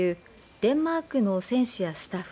デンマークの選手やスタッフ